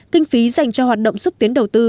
kinh phí dành cho hoạt động xúc tiến đầu tư